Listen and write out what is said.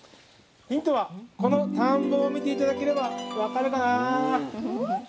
ヒントはこの田んぼを見て頂ければ分かるかな。